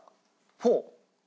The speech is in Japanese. フォー。